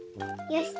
よし！